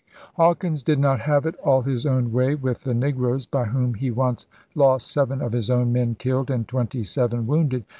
Hawkins did not have it all his own way with the negroes, by whom he once lost seven of his own men killed and twenty seven wounded.